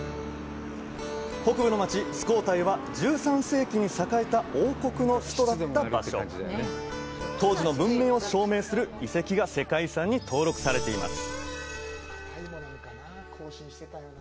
北部の街・スコータイは１３世紀に栄えた王国の首都だった場所当時の文明を証明する遺跡が世界遺産に登録されています